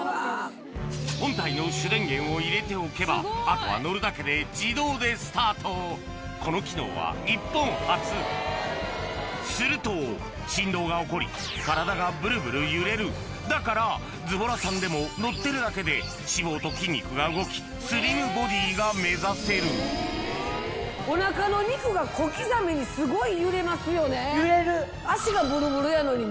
本体の主電源を入れておけばこの機能は日本初すると振動が起こり体がブルブル揺れるだからズボラさんでも乗ってるだけで脂肪と筋肉が動きスリムボディーが目指せるおなかの肉が小刻みにすごい揺れますよね。